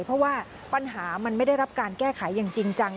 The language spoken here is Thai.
เพราะว่าปัญหามันไม่ได้รับการแก้ไขอย่างจริงจัง